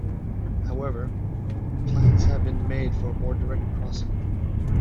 However, plans have been made for a more direct crossing.